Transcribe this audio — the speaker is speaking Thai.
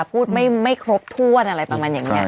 พูดไม่ครบถ้วนอะไรประมาณอย่างนี้